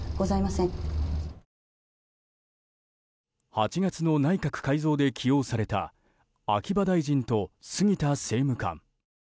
８月の内閣改造で起用された秋葉大臣と杉田政務官。